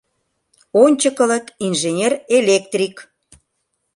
Ончыкылык инженер-электрик!